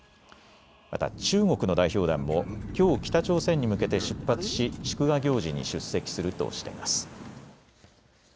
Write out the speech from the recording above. また中国の代表団もきょう北朝鮮に向けて出発し祝賀行事に出席するとしています。